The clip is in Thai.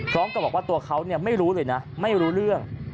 พร้อมกับบอกว่าตัวเขาเนี่ยไม่รู้เลยนะไม่รู้เรื่อง